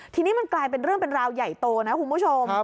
ทีนี้มันกลายเป็นเรื่องเป็นราวใหญ่โตนะคุณผู้ชม